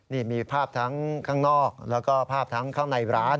นี่มีภาพทั้งข้างนอกแล้วก็ภาพทั้งข้างในร้าน